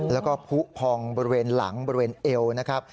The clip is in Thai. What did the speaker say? แล้วก็ผู้พองบริเวณหลังบริเวณเอวนะครับ